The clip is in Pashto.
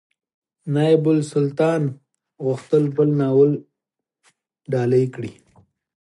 نایبالسلطنه غوښتل بل ناول ډالۍ کړي.